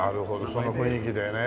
その雰囲気でね。